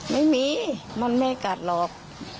ไม่มีมันไม่กัดหรอก